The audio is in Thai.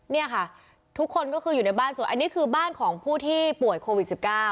นี่ค่ะทุกคนก็คืออยู่ในบ้านส่วนอันนี้คือบ้านของผู้ที่ป่วยโควิด๑๙